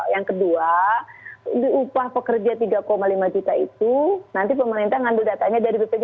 yang kedua diupah pekerja tiga lima juta itu nanti pemerintah mengandung datanya dari bpj